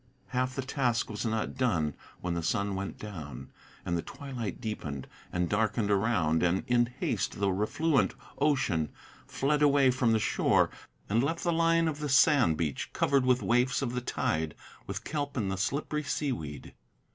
Half the task was not done when the sun went down, and the twilight Deepened and darkened around; and in haste the refluent ocean Fled away from the shore, and left the line of the sand beach Covered with waifs of the tide, with kelp and the slippery sea weed.